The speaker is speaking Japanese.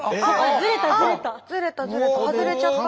ずれたずれた外れちゃった？